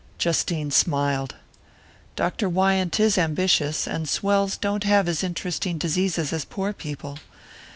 Justine smiled. "Dr. Wyant is ambitious, and swells don't have as interesting diseases as poor people.